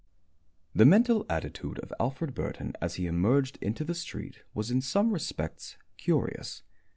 The mental attitude of Alfred Burton, as he emerged into the street, was in some respects curious.